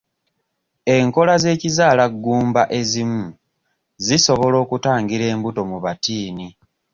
Enkola z'ekizaala ggumba ezimu zisobola okutangira embuto mu battiini.